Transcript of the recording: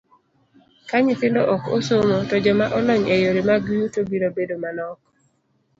Ka nyithindo ok osomo, to joma olony e yore mag yuto biro bedo manok.